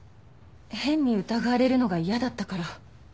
変に疑われるのが嫌だったから。